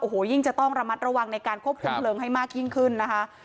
โอ้โหยิ่งจะต้องระมัดระวังในการควบคุมเพลิงให้มากยิ่งขึ้นนะคะ